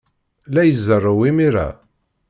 La izerrew imir-a?